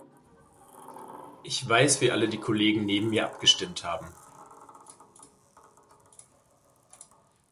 Ich weiß, wie alle die Kollegen neben mir abgestimmt haben.